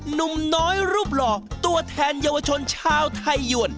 หนุ่มน้อยรูปหล่อตัวแทนเยาวชนชาวไทยยวน